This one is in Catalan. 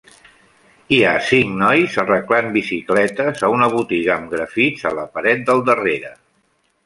Hi ha cinc nois arreglant bicicletes a una botiga amb grafits a la paret del darrere.